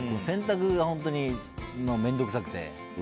洗濯が本当に面倒くさくて。